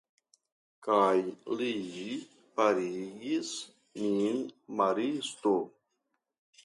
Kaj li farigis min maristo.